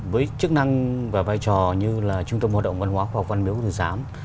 với chức năng và vai trò như là trung tâm hoạt động văn hóa khoa học văn miếu quốc tử giám